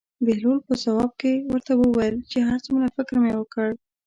بهلول په ځواب کې ورته وویل چې هر څومره فکر مې وکړ.